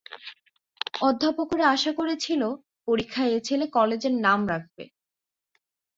অধ্যাপকেরা আশা করেছিল পরীক্ষায় এ ছেলে কলেজের নাম রাখবে।